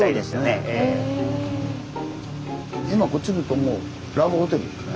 今こっち来るともうラブホテルですね。